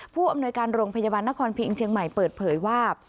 ผู้อำนวยการโรงพยาบาลนครพิงเชียงใหม่เปิดเผยว่า